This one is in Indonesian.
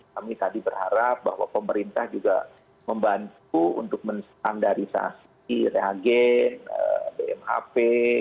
kami tadi berharap bahwa pemerintah juga membantu untuk menstandarisasi reagen bmhp